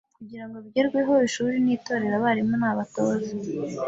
Kugira ngo bigerweho, ishuri ni Itorero, abarimu ni abatoza